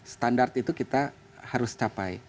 standar itu kita harus capai